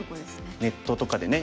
ネットとかでね